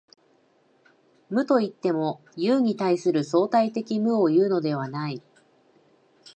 無といっても、有に対する相対的無をいうのではない。